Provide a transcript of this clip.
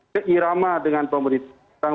seirama dengan pemerintah